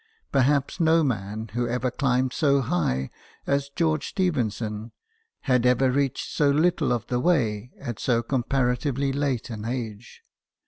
Perhaps no man who ever climbed so high as George Stephenson, had ever reached so little of the way at so comparatively late an age.